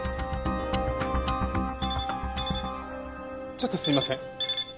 ちょっとすいません。